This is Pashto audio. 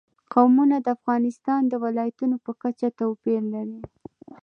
قومونه د افغانستان د ولایاتو په کچه توپیر لري.